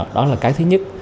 đó là cái thứ nhất